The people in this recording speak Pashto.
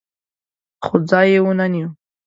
خو ځای یې ونه نیو